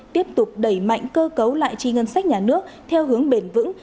tiếp tục đẩy mạnh cơ cấu lại chi ngân sách nhà nước theo hướng bền vững